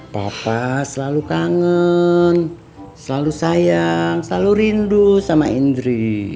papa selalu kangen selalu sayang selalu rindu sama indri